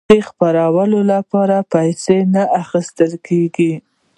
د خپرولو لپاره پیسې نه اخیستل کیږي.